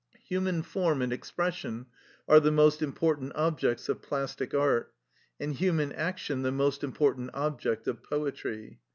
Human form and expression are the most important objects of plastic art, and human action the most important object of poetry.